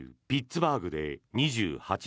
ピッツバーグで２８日